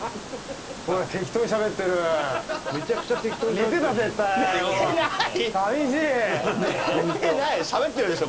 寝てないしゃべってるでしょ